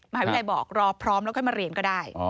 มหาวิทยาลัยบอกรอพร้อมแล้วค่อยมาเรียนก็ได้